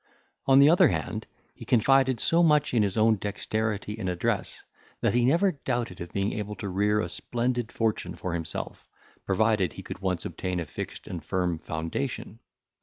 On the other hand, he confided so much in his own dexterity and address, that he never doubted of being able to rear a splendid fortune for himself, provided he could once obtain a fixed and firm foundation.